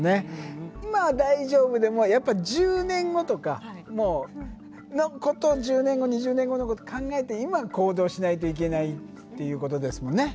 今は大丈夫でもやっぱ１０年後とかもう１０年後２０年後のこと考えて今行動しないといけないっていうことですもんね。